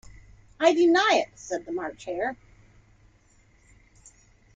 ‘I deny it!’ said the March Hare.